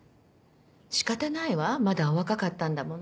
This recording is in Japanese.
仕方ないわまだお若かったんだもの。